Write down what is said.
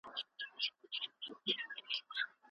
سیاست د خلکو ترمنځ ګډ کار ګرځېدلی دی.